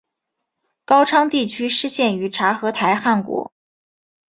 高昌地区失陷于察合台汗国。